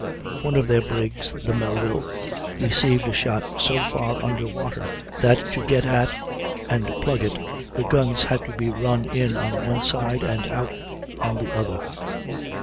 One of their brigs, the Melville, received a shot so far under water that to get at and plug it, the guns had to be run in on one side and out on the other.